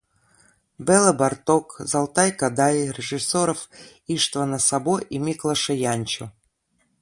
Бела Барток, Золтан Кодай, режиссеров Иштвана Сабо и Миклоша Янчо